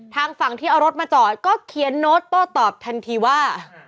ทางฝั่งที่เอารถมาจอดก็เขียนโน้ตโต้ตอบทันทีว่า